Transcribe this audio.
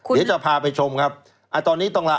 เดี๋ยวจะพาไปชมครับตอนนี้ต้องละ